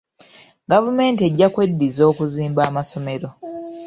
Gavumenti ejja kweddiza okuzimba amasomero.